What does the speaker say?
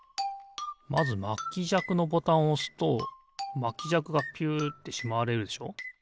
まずまきじゃくのボタンをおすとまきじゃくがピュッてしまわれるでしょ。